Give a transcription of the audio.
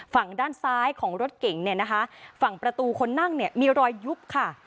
ฝั่งด้านซ้ายของรถเก่งฝั่งประตูคนนั่งมีรอยยุบค่ะ